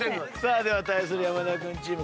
では対する山田君チーム。